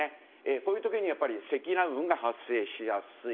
こういう時に積乱雲が発生しやすい。